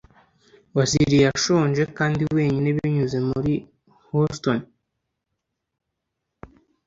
wasinziriye ashonje kandi wenyine binyuze muri houston